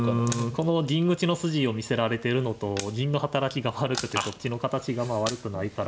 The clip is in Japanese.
この銀打ちの筋を見せられてるのと銀の働きが悪くてこっちの形がまあ悪くないから。